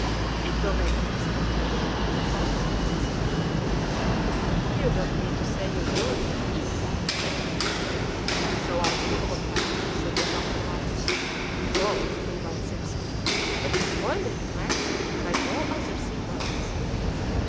"It will make an excellent meal, on the contrary," said the doctor. "You don't mean to say you are going to eat that thing?" "And so are you, old fellow," said the doctor, laughing. "Poh!" replied Simpson, "but it's oily and rancid, like all other sea birds."